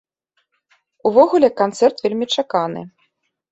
Увогуле канцэрт вельмі чаканы.